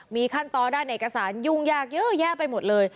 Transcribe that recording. มีขั้นตอนด้านเอกสารยุ่งยากเยอะแยะไปหมดเลย